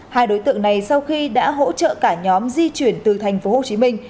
hai đối tượng này sau khi đã hỗ trợ cả nhóm di chuyển từ thành phố hồ chí minh